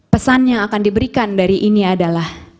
pesan yang akan diberikan dari ini adalah